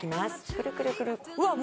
くるくるうわっ